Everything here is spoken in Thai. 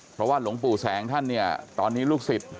เพราะว่าหลวงปู่แสงท่านเนี่ยตอนนี้ลูกศิษย์